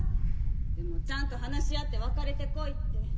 でもちゃんと話し合って別れてこいって。